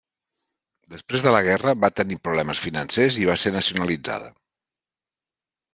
Després de la guerra va tenir problemes financers i va ser nacionalitzada.